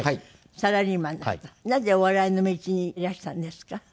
なぜお笑いの道にいらしたんですか？